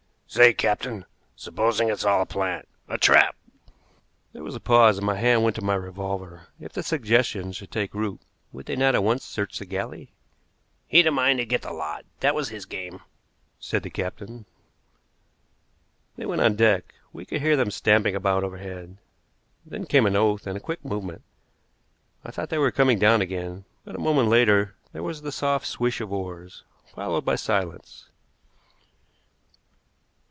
"Say, captain, supposing it's all a plant a trap!" There was a pause and my hand went to my revolver. If the suggestion should take root, would they not at once search the galley? "He'd a mind to get the lot, that was his game," said the captain. They went on deck, we could hear them stamping about overhead. Then came an oath, and a quick movement. I thought they were coming down again, but a moment later there was the soft swish of oars, followed by silence.